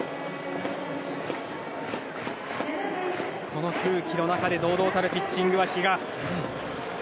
この空気の中で堂々たるピッチング、比嘉。